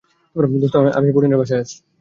দোস্ত, আমি পনিরের বাসায় আছি।